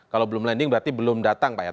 kalau belum landing berarti belum datang pak ya